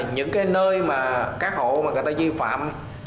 những cái nơi mà các hộ mà người ta di phạm